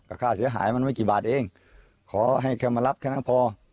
ค่าเสียหายมันไม่กี่บาทเองขอให้แค่มารับแค่นั้นพอ